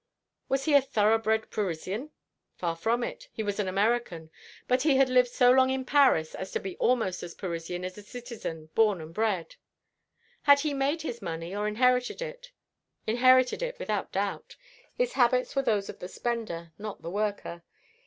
"Was he a thoroughbred Parisian?" "Far from it. He was an American, but he had lived so long in Paris as to be almost as Parisian as a citizen born and bred." "Had he made his money, or inherited it?" "Inherited it, without doubt. His habits were those of the spender, not the worker.